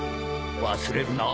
忘れるな